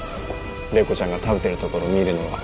麗子ちゃんが食べてるところ見るのが